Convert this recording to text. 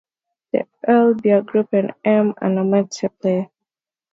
Let "G" be a group and "M" a nonempty set.